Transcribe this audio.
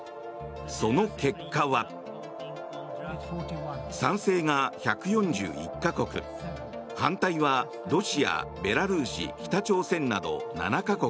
その結果は、賛成が１４１か国反対は、ロシア、ベラルーシ北朝鮮など７か国。